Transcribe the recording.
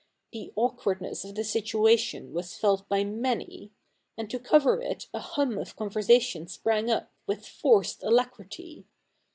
The awkwardness of the situation was felt by many : and to cover it a hum of conversation sprang up, with forced alacrity.